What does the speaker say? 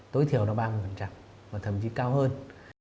tối thiểu là ba mươi và thậm chí cao hơn